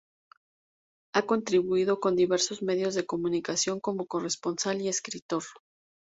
Ha contribuido con diversos medios de comunicación como corresponsal y escritor.